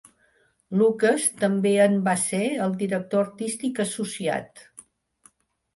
Lucas també en va ser el director artístic associat.